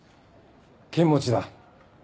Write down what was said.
剣持だ。